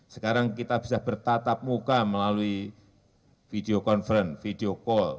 sekarang kita bisa bertatap muka melalui video conference video call